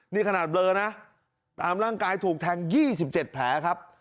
นี่ขนาดเบลอนะตามร่างกายถูกแทง๒๗แผลครับ